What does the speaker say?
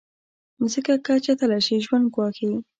مځکه که چټله شي، ژوند ګواښي.